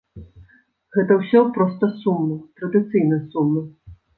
Гэта ўсё проста сумна, традыцыйна сумна.